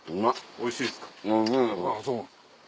おいしいです。